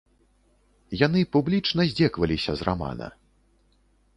Яны публічна здзекаваліся з рамана.